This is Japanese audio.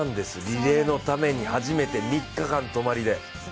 リレーのために３日間、泊まりで。